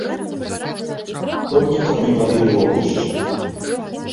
Толькі каб не палілі вогнішча!